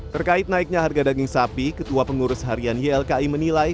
terkait naiknya harga daging sapi ketua pengurus harian ylki menilai